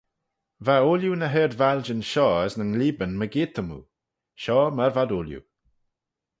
Va ooilley ny ard-valjyn shoh, as nyn ghleebyn mygeayrt-y-moo: shoh myr v'ad ooilley.